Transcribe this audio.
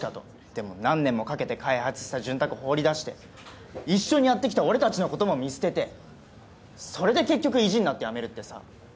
でも何年もかけて開発した「潤沢」放り出して一緒にやってきた俺たちの事も見捨ててそれで結局意地になって辞めるってさ。